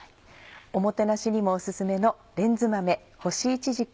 おもてなしにもお薦めの「レンズ豆干しいちじく